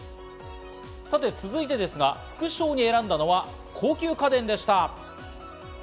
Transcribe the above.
続いてですが、副賞に選んだのは高級家電でした。